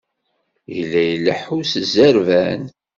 Yella ileḥḥu s zzerban.